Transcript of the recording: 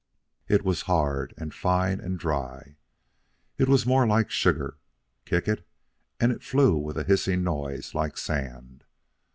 It was hard, and fine, and dry. It was more like sugar. Kick it, and it flew with a hissing noise like sand.